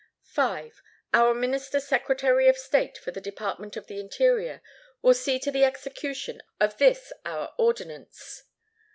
"V. Our Minister Secretary of State for the Department of the Interior will see to the execution of this our ordinance.